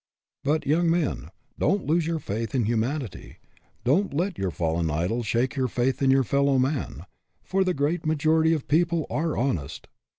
But, young men, don't lose your faith in humanity don't let your fallen idols shake your faith in your fellow men for the great majority of people are honest.